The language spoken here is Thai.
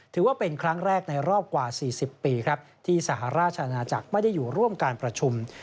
ถือว่าเป็นครั้งแรกในรอบกว่า๔๐ปีครับที่สหราชอาณาจักรไม่ได้อยู่ร่วมการประชุม